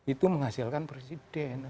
itu menghasilkan presiden